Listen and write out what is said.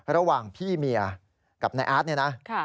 ระหว่างพี่เมียกับนายอาร์ตเนี่ยนะ